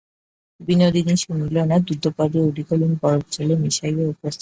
বিনোদিনী শুনিল না, দ্রুতপদে ওডিকলোন বরফজলে মিশাইয়া উপস্থিত করিল।